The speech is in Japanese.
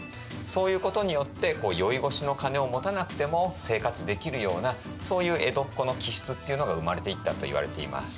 そういうことによって宵越しの金を持たなくても生活できるようなそういう江戸っ子の気質っていうのが生まれていったといわれています。